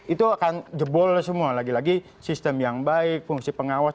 itu akan jebol semua lagi lagi sistem yang baik fungsi pengawas